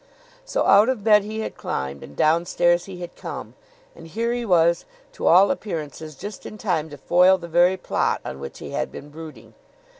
So out of bed he had climbed and downstairs he had come; and here he was, to all appearances, just in time to foil the very plot on which he had been brooding.